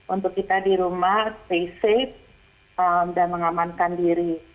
untuk kita di rumah stay safe dan mengamankan diri